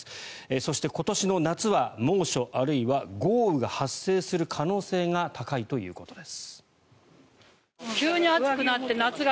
そして、今年の夏は猛暑、あるいは豪雨が発生する可能性が高いということです。